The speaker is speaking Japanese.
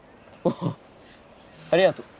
おありがとう。